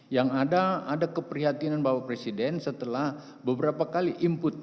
yang ada ada keprihatinan bapak presiden setelah beberapa kali input